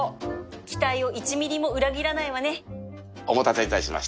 期待を １ｍｍ も裏切らないわねお待たせいたしました。